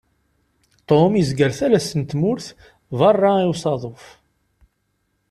Tom yezger talast n tmurt berra i usaḍuf.